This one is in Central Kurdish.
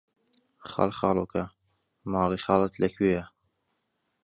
خاڵخاڵۆکە، ماڵی خاڵت لەکوێیە؟!